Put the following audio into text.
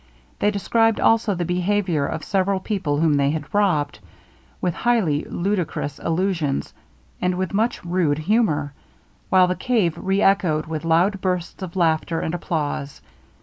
They described also the behaviour of several people whom they had robbed, with highly ludicrous allusions, and with much rude humour, while the cave re echoed with loud bursts of laughter and applause.